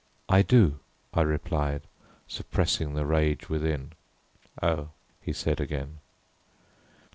"I do," I replied, suppressing the rage within. "Oh," he said again.